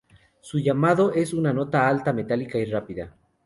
Su llamado es una nota alta, metálica y rápida.